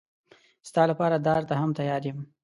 ستا لپاره دار ته هم تیار یم.